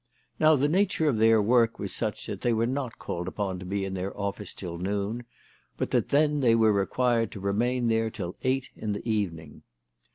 Now the nature of their work was such that they were not called upon to be in their office till noon, but that then they were required to remain there till eight in the evening.